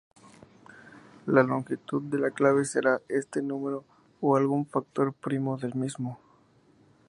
La longitud de la clave será este número o algún factor primo del mismo.